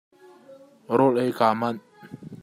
Rawl ei kaa manh.